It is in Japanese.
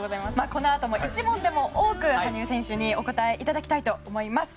このあとも１問でも多く羽生選手にお答えいただきたいと思います。